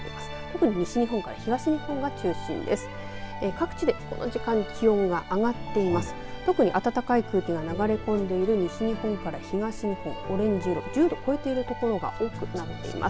特に暖かい空気が流れ込んでいる西日本から東日本オレンジ色１０度を超えている所が多くなっています。